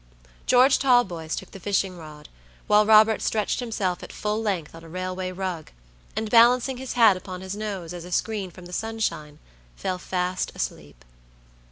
George Talboys took the fishing rod, while Robert stretched himself at full length on a railway rug, and balancing his hat upon his nose as a screen from the sunshine, fell fast asleep.